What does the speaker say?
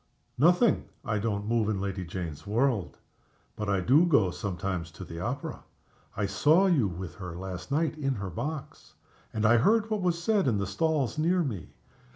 "Nothing. I don't move in Lady Jane's world but I do go sometimes to the opera. I saw you with her last night in her box; and I heard what was said in the stalls near me.